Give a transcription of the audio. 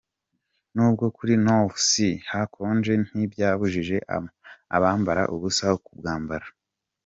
Nubwo kuri North Sea hakonje ntibyabujije abambara ubusa kubwambara.